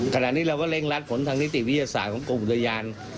ขณะนี้เราก็เร่งรัดผลทางนิติวิทยาศาสตร์ของกรมอุทยาน